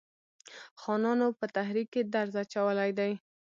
خانانو په تحریک کې درز اچولی دی.